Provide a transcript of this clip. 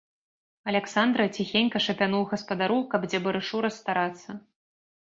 Аляксандра ціхенька шапянуў гаспадару, каб дзе барышу расстарацца.